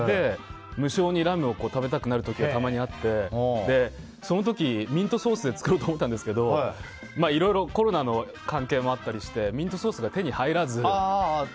無性にラムを食べたくなる時があってその時、ミントソースで作ろうと思ったんですけどいろいろコロナの関係もあったりしてミントソースが手に入らず。